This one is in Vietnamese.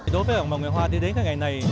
đối với cộng đồng người hoa